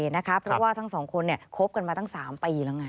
เพราะว่าทั้งสองคนคบกันมาตั้ง๓ปีแล้วไง